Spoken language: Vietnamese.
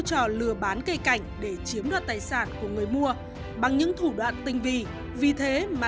trò lừa bán cây cảnh để chiếm đoạt tài sản của người mua bằng những thủ đoạn tinh vi vì thế mà